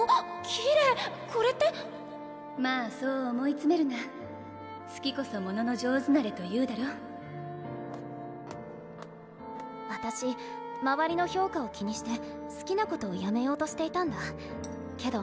きれいまぁそう思いつめるなすきこそ物の上手なれというだろわたしまわりの評価を気にしてすきなことをやめようとしていたんだけど